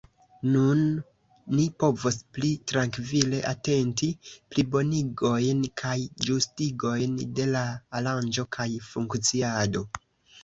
Nun ni povos pli trankvile atenti plibonigojn kaj ĝustigojn de la aranĝo kaj funkciado.